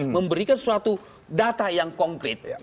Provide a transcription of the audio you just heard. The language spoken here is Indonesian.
memberikan suatu data yang konkret